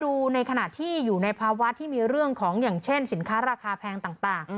ดูในขณะที่อยู่ในภาวะที่มีเรื่องของอย่างเช่นสินค้าราคาแพงต่าง